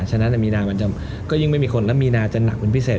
ฉะนั้นมีนามันจะก็ยิ่งไม่มีคนแล้วมีนาจะหนักเป็นพิเศษ